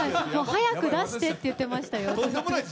早く出してって言ってましたよ。